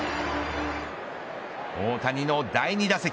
大谷の第２打席。